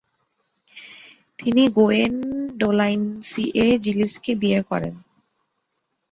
তিনি Gwendoline C A জিলিসকে বিয়ে করেন।